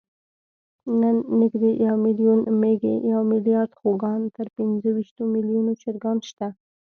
نن نږدې یو میلیون مېږې، یو میلیارد خوګان، تر پینځهویشتو میلیونو چرګان شته.